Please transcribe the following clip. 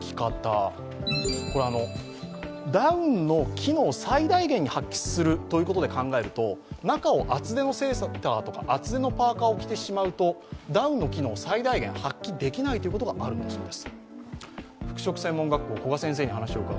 ダウンの機能を最大に発揮するということで考えると、中を厚手のセーターとか厚手のパーカーを着てしまうとダウンの機能を最大限発揮できないことがあるんだそうです。